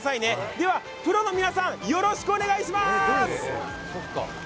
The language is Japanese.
ではプロの皆さん、よろしくお願いします！